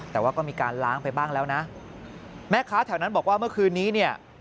แต่ว่าก็มีการล้างไปบ้างแล้วนะแม่ค้าแถวนั้นบอกว่าเมื่อคืนนี้เนี่ย